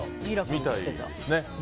みたいですね。